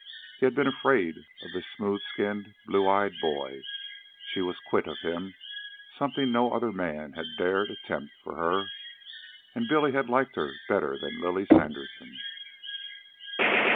He had been afraid of this smooth skinned, blue eyed boy. She was quit of him something no other man had dared attempt for her. And Billy had liked her better than Lily Sanderson.